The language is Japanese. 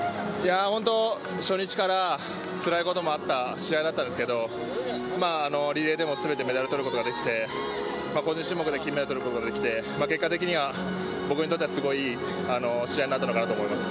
本当、初日からつらいこともあった試合だったんですけどリレーでも全てメダルをとることができて、個人種目でも金メダルをとることができて結果的には、僕にとってはすごくいい試合になったのかなと思います。